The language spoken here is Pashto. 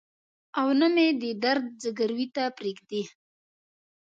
او نه مې د درد ځګروي ته پرېږدي.